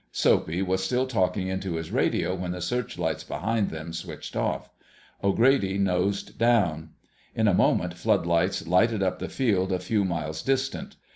Soapy was still talking into his radio when the searchlights behind them switched off. O'Grady nosed down. In a moment floodlights lighted up the field a few miles distant.